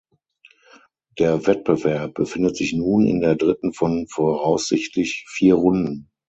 Der Wettbewerb befindet sich nun in der dritten von voraussichtlich vier Runden.